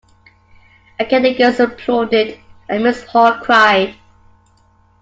Again the girls applauded, and Mrs Hall cried.